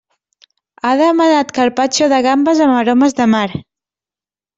Ha demanat carpaccio de gambes amb aromes de mar.